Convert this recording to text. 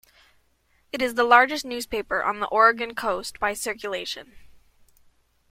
It is the largest newspaper on the Oregon coast by circulation.